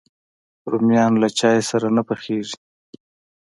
رومیان له چای سره نه پخېږي